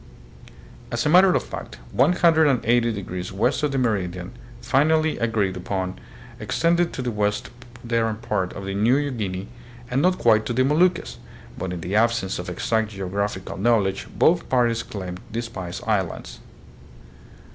As a matter of fact, 180 degrees west of the meridian finally agreed upon extended to the western part of New Guinea, and not quite to the Moluccas; but in the absence of exact geographical knowledge both parties claimed the Spice Islands.